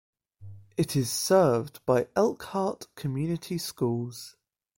It is served by Elkhart Community Schools.